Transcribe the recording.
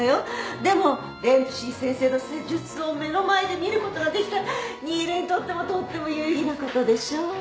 でもデンプシー先生の施術を目の前で見ることができたら新琉にとってもとっても有意義なことでしょう？